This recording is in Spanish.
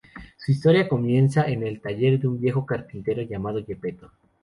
Su historia comienza en el taller de un viejo carpintero llamado Geppetto.